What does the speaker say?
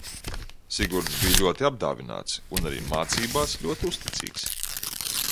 Sigurds bija ļoti apdāvināts un arī mācībās ļoti uzcītīgs.